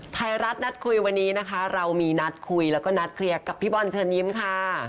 ไทยรัฐนัดคุยวันนี้นะคะเรามีนัดคุยแล้วก็นัดเคลียร์กับพี่บอลเชิญยิ้มค่ะ